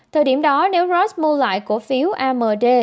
thời điểm đó nếu rost mua lại cổ phiếu amd